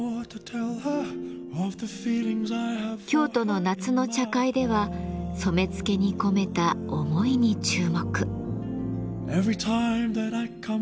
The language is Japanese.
京都の夏の茶会では染付に込めた思いに注目。